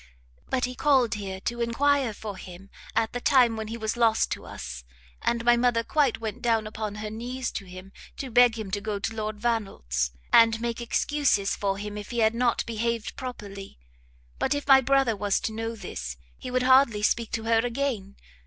but he called here to enquire for him at the time when he was lost to us, and my mother quite went down upon her knees to him to beg him to go to Lord Vannelt's, and make excuses for him, if he had not behaved properly: but if my brother was to know this, he would hardly speak to her again!